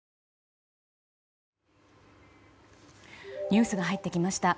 ニュースが入ってきました。